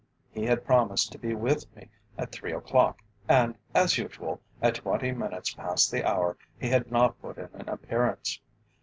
He had promised to be with me at three o'clock, and, as usual, at twenty minutes past the hour he had not put in an appearance.